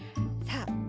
さあ